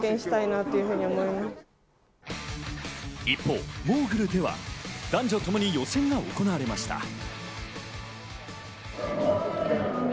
一方、モーグルでは男女ともに予選が行われました。